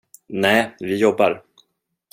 Nej, vi jobbar.